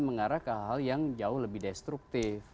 mengarah ke hal hal yang jauh lebih destruktif